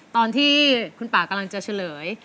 ตอนที่คุณป่ากำลังจะเฉลย